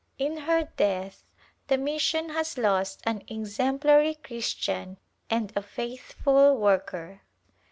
In her death the mission has lost an exemplary Christian and a faithful worker.